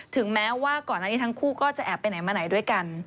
ถึงแม้ว่าก่อนอันนี้ทั้งคู่ก็จะแอบไปไหนมาไหนด้วยกัน